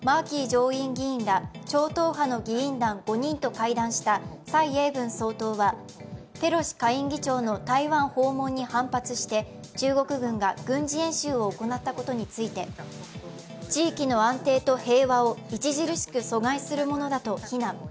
上院議員ら超党派の議員団５人と会談した蔡英文総統は、ペロシ下院議長の台湾訪問に反発して中国軍が軍事演習を行ったことについて、地域の安定と平和を著しく阻害するものだと非難。